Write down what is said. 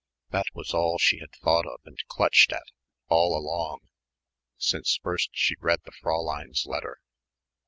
That was all she had thought of and clutched at all along, since first she read the Fräulein's letter.